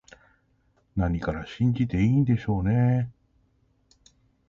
何から信じていいんでしょうね